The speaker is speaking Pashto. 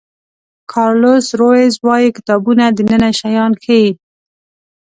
کارلوس رویز وایي کتابونه دننه شیان ښیي.